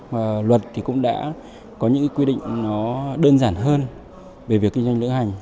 và luật thì cũng đã có những quy định nó đơn giản hơn về việc kinh doanh lữ hành